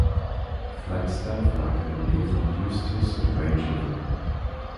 Flagstaff lag in der Nähe von Eustis und Rangeley.